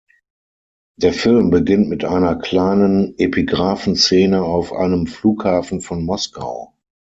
Der Film beginnt mit einer kleinen Epigraphen-Szene auf einem Flughafen von Moskau.